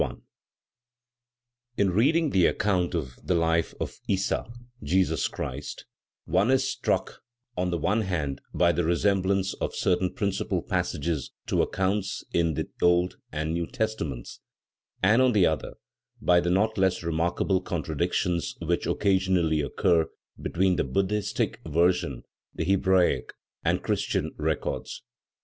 Resumé In reading the account of the life of Issa (Jesus Christ), one is struck, on the one hand by the resemblance of certain principal passages to accounts in the Old and New Testaments; and, on the other, by the not less remarkable contradictions which occasionally occur between the Buddhistic version and Hebraic and Christian records.